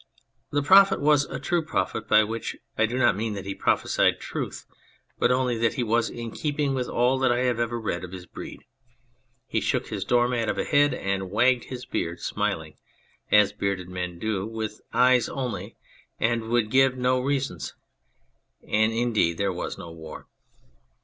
The Prophet was a true prophet, by which I do not mean that he prophesied truth, but only that he was in keeping with all that I have ever read of his breed ; he shook his doormat of a head and wagged his beard, smiling, as bearded men do, with the eyes only, and would give no reasons ; and, indeed, there was no war.